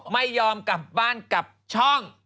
ไม่ยอมกลับบ้านกลับช่อง